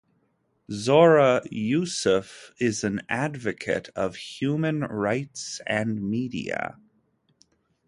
Zohra Yusuf is an advocate of human rights and media.